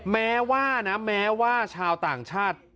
แม้ว่านะแม้ว่าชาวต่างชาติ